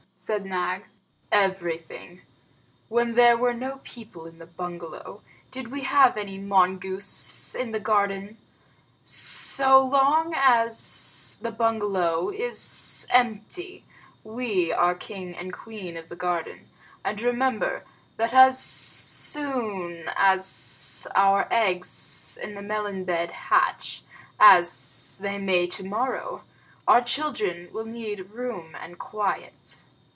said Nag. "Everything. When there were no people in the bungalow, did we have any mongoose in the garden? So long as the bungalow is empty, we are king and queen of the garden; and remember that as soon as our eggs in the melon bed hatch (as they may tomorrow), our children will need room and quiet."